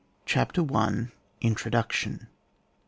CHAPTER L INTRODUCTION.